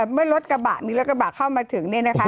เมื่อรถกระบะมีรถกระบะเข้ามาถึงเนี่ยนะคะ